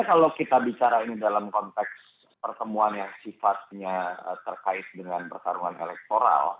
tapi kalau kita bicara ini dalam konteks pertemuan yang sifatnya terkait dengan pertarungan elektoral